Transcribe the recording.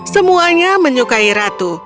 semuanya menyukai ratu